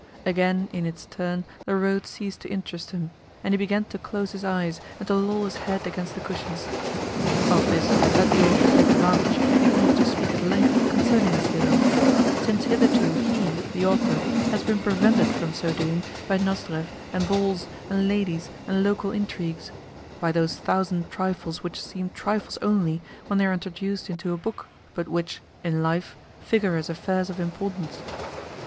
Again, in its turn, the road ceased to interest him, and he began to close his eyes and to loll his head against the cushions. Of this let the author take advantage, in order to speak at length concerning his hero; since hitherto he (the author) has been prevented from so doing by Nozdrev and balls and ladies and local intrigues by those thousand trifles which seem trifles only when they are introduced into a book, but which, in life, figure as affairs of importance.